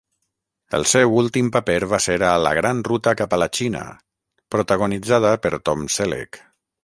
El seu últim paper va ser a "La gran ruta cap a la Xina", protagonitzada per Tom Selleck.